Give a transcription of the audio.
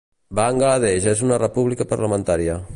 Bangla Desh és una república parlamentària.